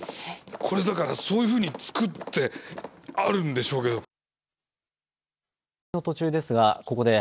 これだからそういうふうに作ってあるんでしょうけど